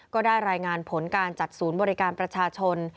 ก็ได้รายงานผลการจัดศูนย์บริการประชาชน